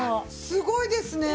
すごいですね。